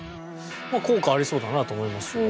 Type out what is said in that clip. まあ効果ありそうだなと思いますよ